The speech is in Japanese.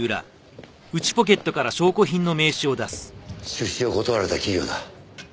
出資を断られた企業だ。